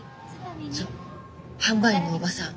販売員のおばさん。